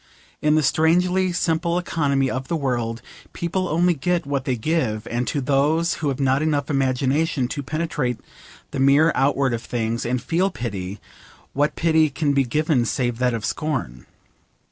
In the strangely simple economy of the world people only get what they give, and to those who have not enough imagination to penetrate the mere outward of things, and feel pity, what pity can be given save that of scorn?